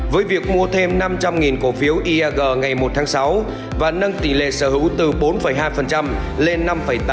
với việc mua thêm năm trăm linh cổ phiếu iag ngày một tháng sáu và nâng tỷ lệ sở hữu từ bốn hai lên năm tám